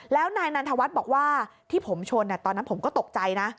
แล้วนายนันทวัฒน์บอกว่าที่ผมชนตอนนั้นผมก็ตกใจนะ